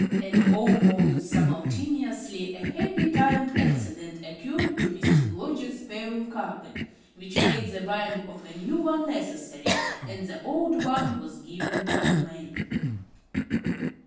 And almost simultaneously a happily timed accident occurred to Mrs. Blodgett's spare room carpet, which made the buying of a new one necessary, and the old one was given to May.